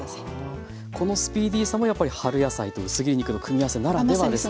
このスピーディーさもやっぱり春野菜と薄切り肉の組み合わせならではですね。